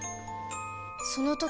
その時